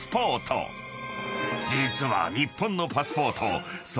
［実は］